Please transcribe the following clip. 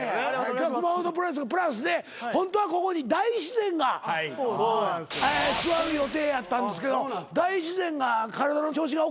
今日は熊元プロレスがプラスでホントはここに大自然が座る予定やったんですけど大自然が体の調子がおかしい。